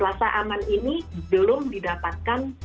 rasa aman ini belum didapatkan